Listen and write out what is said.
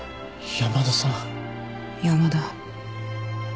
山田。